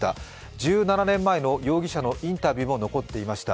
１７年前の容疑者のインタビューも残っていました。